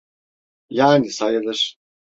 Yani sayılır.